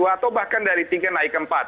atau bahkan dari tingkat naik ke empat